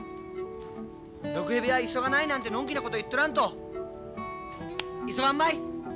「毒蛇はいそがない」なんてのんきなこと言っとらんと急がんまい。